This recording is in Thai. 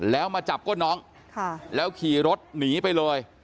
แล้วมาจับก้นน้องแล้วขี่รถหนีไปเลย